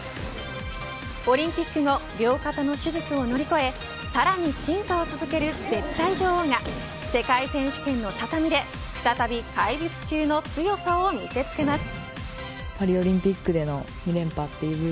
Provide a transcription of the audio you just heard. オリンピック後両肩の手術を乗り越えさらに進化を続ける絶対女王が世界選手権の畳で再び怪物級の強さを見せつけます。